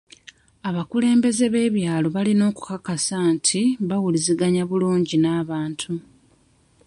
Abakulembeze b'ebyalo balina okukakasa nti bawuliziganya bulungi n'abantu.